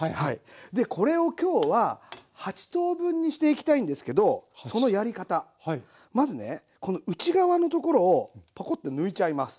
でこれを今日は８等分にしていきたいんですけどそのやり方まずねこの内側のところをポコッと抜いちゃいます。